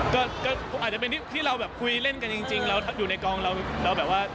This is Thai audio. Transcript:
ก็อาจจะเป็นที่เราแบบคุยเล่นกันจริงเราอยู่ในกองเราแบบว่า